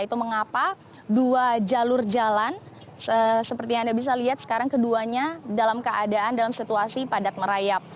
itu mengapa dua jalur jalan seperti yang anda bisa lihat sekarang keduanya dalam keadaan dalam situasi padat merayap